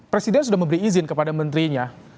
presiden sudah memberi izin kepada menterinya